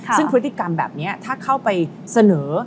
ซึ่งพฤติกรรมแบบนี้ถ้าเข้าไปเสนอ